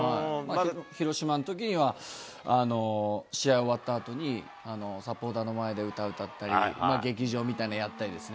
広島のときには、試合終わったあとにサポーターの前で歌、歌ったり、劇場みたいなのをやったりですね。